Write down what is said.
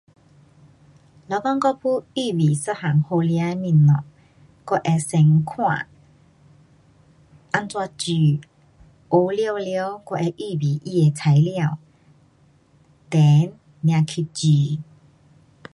若讲我要准备一样好吃的东西，我会先看怎样煮，学好了我会预备它的材料，then 才去煮。